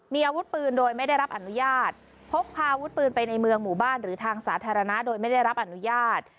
มีอาวุธปืนโดยไม่ได้รับอนุญาตพกพาอาวุธปืนไปในเมืองหมู่บ้านหรือทางสาธารณะโดยไม่ได้รับอนุญาต